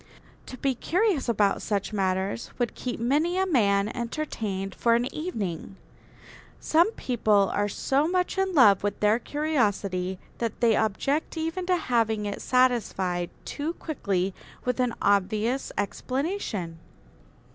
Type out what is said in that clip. To be curious about such matters would keep many a man entertained for an evening. Some people are so much in love with their curiosity that they object even to having it satisfied too quickly with an obvious explanation.